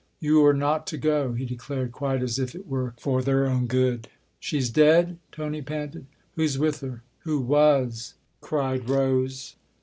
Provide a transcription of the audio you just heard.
" You're not to go I " he declared quite as if it were for their own good. " She's dead ?" Tony panted. " Who's with her who was ?" cried Rose.